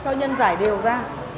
cho nhân giải đều ra